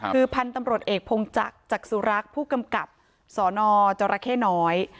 คือพันธุ์ตำรวจเอกพงจักรจักษุรักษ์ผู้กำกับสนจรเข้น้อย